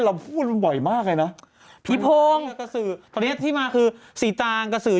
เราพูดบ่อยมากเลยนะผีโพงกระสือตอนเนี้ยที่มาคือสีตางกระสือ